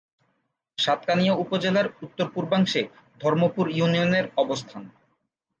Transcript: সাতকানিয়া উপজেলার উত্তর-পূর্বাংশে ধর্মপুর ইউনিয়নের অবস্থান।